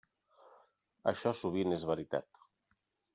Això sovint és veritat.